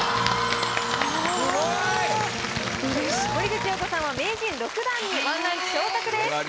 すごい！森口瑤子さんは名人６段に１ランク昇格です。